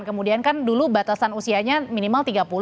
kemudian kan dulu batasan usianya minimal tiga puluh